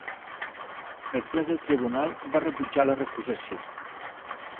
El ple del Tribunal va rebutjar la recusació.